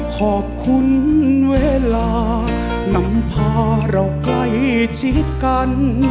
ขอบคุณเวลานำพาเราใกล้ชิดกัน